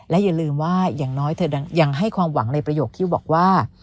อย่าลืมว่าอย่างน้อยเธอยังให้ความหวังในประโยคที่บอกว่า